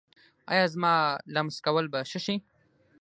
ایا زما لمس کول به ښه شي؟